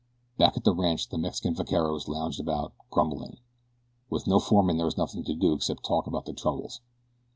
Back at the ranch the Mexican vaqueros lounged about, grumbling. With no foreman there was nothing to do except talk about their troubles.